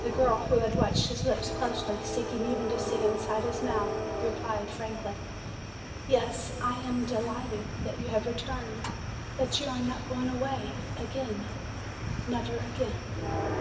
The girl, who had watched his lips closely, seeking even to see inside his mouth, replied frankly: "Yes, I am de light ed that you have returned, that you are not go ing a way a gain nev er a gain."